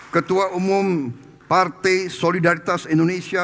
ketua umum partai solidaritas indonesia